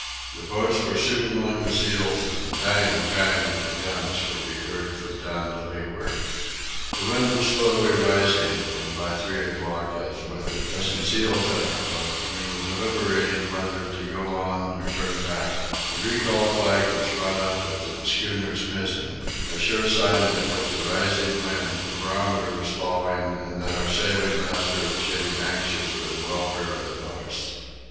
The boats were soon among the seals, and the bang! bang! of the guns could be heard from down to leeward. The wind was slowly rising, and by three o'clock as, with a dozen seals in our boat, we were deliberating whether to go on or turn back, the recall flag was run up at the schooner's mizzen a sure sign that with the rising wind the barometer was falling and that our sailing master was getting anxious for the welfare of the boats.